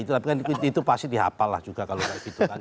tapi itu pasti dihapal lah juga kalau begitu kan